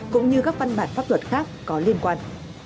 cũng như các văn bản pháp luật khác có liên quan